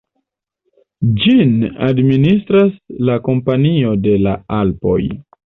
Ĝin administras la Kompanio de la Alpoj.